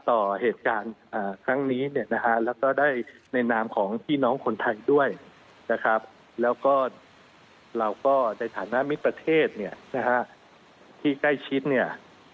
ต่อเหตุการณ์ครั้งนี้เนี่ยนะฮะแล้วก็ได้ในนามของพี่น้องคนไทยด้วยนะครับแล้วก็เราก็ในฐานะมิตรประเทศเนี่ยนะฮะที่ใกล้ชิดเนี่ย